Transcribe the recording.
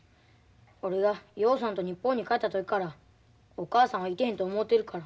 俺は陽さんと日本に帰った時からお母さんはいてへんと思うてるから。